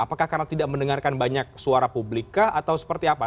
apakah karena tidak mendengarkan banyak suara publika atau seperti apa